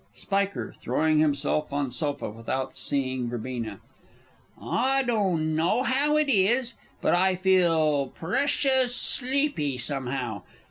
_ Spiker. (throwing himself on sofa without seeing Verb.) I don' know how it is, but I feel precioush shleepy, somehow.